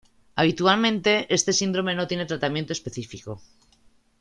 Habitualmente, este síndrome no tiene tratamiento específico.